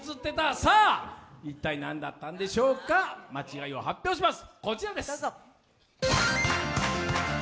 一体何だったんでしょうか、間違いを発表します。